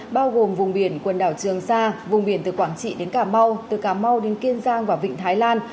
bao gồm vùng biển quần đảo trường sa vùng biển từ quảng trị đến cà mau từ cà mau đến kiên giang và vịnh thái lan